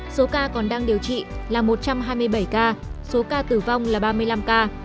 số ca còn đang điều trị là một trăm hai mươi bảy ca số ca tử vong là ba mươi năm ca